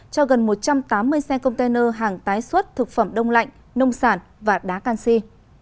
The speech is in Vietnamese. cho gần một trăm tám mươi xe container hàng tái xuất thực phẩm đông lạnh nông sản và đá canxi